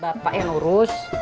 bapak yang urus